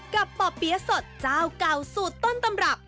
ป่อเปี๊ยะสดเจ้าเก่าสูตรต้นตำรับ